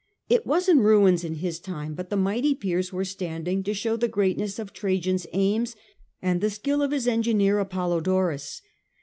It was in ruins in his time ; but the mighty piers were standing to show the greatness of Trajan's aims and the skill of his engineer Apollodorus.